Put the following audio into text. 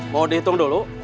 mau dihitung dulu